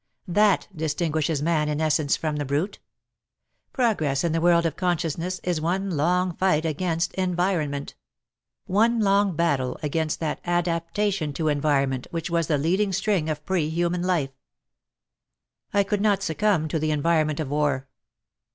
That distinguishes Man in essence from the brute. Progress in the world of consciousness is one long fight against environment — one long battle against that adaptation to enviromnent which was the leading string of pre human life. I could not succumb to the environment of war.